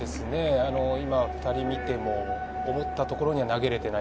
今２人見ても、思ったところには投げれていない。